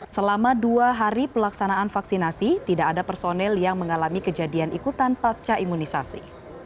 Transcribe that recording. selama dua hari pelaksanaan vaksinasi tidak ada personel yang mengalami kejadian ikutan pasca imunisasi